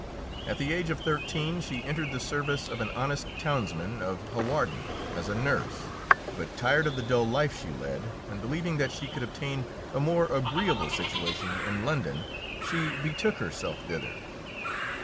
At the age of thirteen she entered the service of an honest townsman of Hawarden as a nurse, but, tired of the dull life she led, and believing that she could obtain a more agreeable situation in London, she betook herself thither.